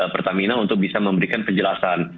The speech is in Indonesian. pertamina untuk bisa memberikan penjelasan